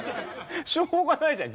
しょうがないじゃん。